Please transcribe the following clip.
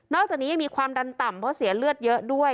จากนี้ยังมีความดันต่ำเพราะเสียเลือดเยอะด้วย